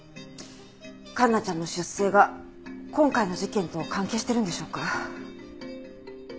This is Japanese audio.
環奈ちゃんの出生が今回の事件と関係してるんでしょうか？